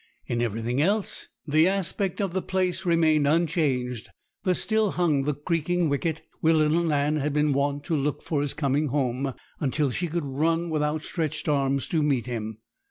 In everything else the aspect of the place remained unchanged; there still hung the creaking wicket, where little Nan had been wont to look for his coming home, until she could run with outstretched arms to meet him.